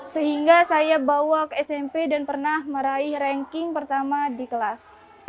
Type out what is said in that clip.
sehingga saya bawa ke smp dan pernah meraih ranking pertama di kelas